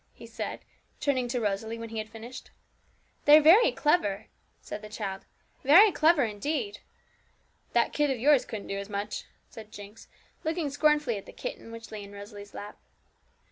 he said, turning to Rosalie when he had finished. 'They're very clever,' said the child 'very clever indeed!' 'That kit of yours couldn't do as much,' said Jinx, looking scornfully at the kitten which lay in Rosalie's lap.